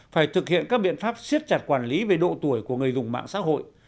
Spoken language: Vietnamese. phải thực hiện các biện pháp siết chặt quản lý về độ tuổi của người dùng mạng xã hội